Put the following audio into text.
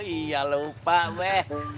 iya lupa beh